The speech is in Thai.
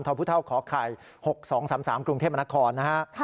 ทอพุท่าขอข่ายหกสองสามสามกรุงเทพมหานครนะคะ